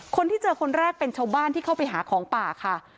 คนที่เจอคนแรกเป็นชาวบ้านที่เข้าไปหาของป่าค่ะ